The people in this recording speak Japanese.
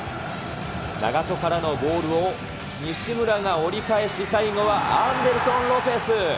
永戸からのボールを西村が折り返し、最後はアンデルソン・ロペス。